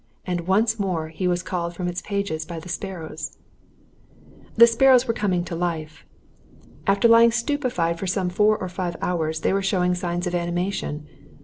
And once more he was called from its pages by the sparrows. The sparrows were coming to life. After lying stupefied for some four or five hours they were showing signs of animation.